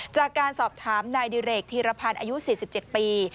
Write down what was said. จากการสอบถามนายดิเรกธีรพันธ์อายุ๔๗ปี